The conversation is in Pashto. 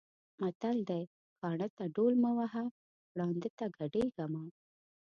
متل دی چې: کاڼۀ ته ډول مه وهه، ړانده ته ګډېږه مه.